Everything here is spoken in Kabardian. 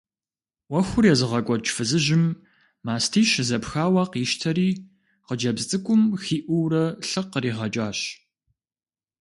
Ӏуэхур езыгъэкӏуэкӏ фызыжьым мастищ зэпхауэ къищтэри хъыджэбз цӏыкӏум хиӏуурэ лъы къригъэкӏащ.